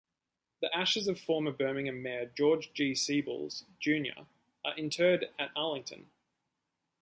The ashes of former Birmingham mayor George G. Siebels, Junior are interred at Arlington.